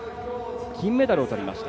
金メダルをとりました。